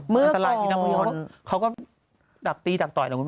เมื่อก่อนพวกเขาก็หลับดักตีหลักต่อย